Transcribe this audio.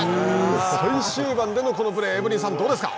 最終盤でのこのプレーエブリンさんどうですか。